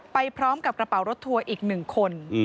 ไปพร้อมกับกระเป๋ารถทัวร์อีก๑คน